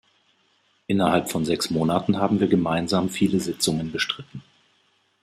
Innerhalb von sechs Monaten haben wir gemeinsam viele Sitzungen bestritten.